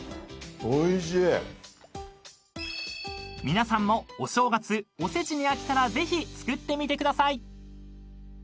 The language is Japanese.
［皆さんもお正月おせちに飽きたらぜひ作ってみてください］